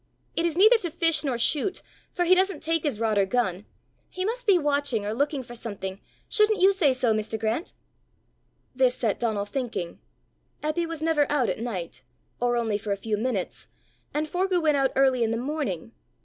It is neither to fish nor shoot, for he doesn't take his rod or gun; he must be watching or looking for something! Shouldn't you say so, Mr. Grant?" This set Donal thinking. Eppy was never out at night, or only for a few minutes; and Forgue went out early in the morning!